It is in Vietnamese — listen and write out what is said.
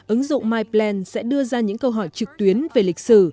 ứng dụng mypland sẽ đưa ra những câu hỏi trực tuyến về lịch sử